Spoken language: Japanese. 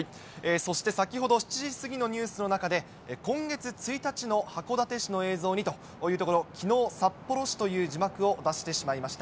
そして先ほど、７時過ぎのニュースの中で、今月１日の函館市の映像にというところ、きのう、札幌市という字幕を出してしまいました。